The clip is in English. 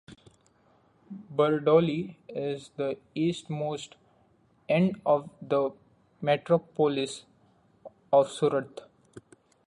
Bardoli is the east most end of the Metropolis of Surat.